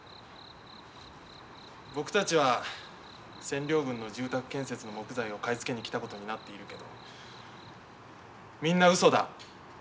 僕たちは占領軍の住宅建設の木材を買い付けに来たことになっているけどみんなうそだ。